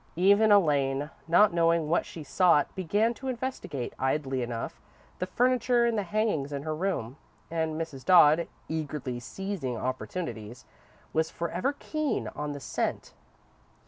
Even Elaine, not knowing what she sought, began to investigate, idly enough, the furniture and hangings in her room, and Mrs. Dodd, eagerly seizing opportunities, was forever keen on the scent.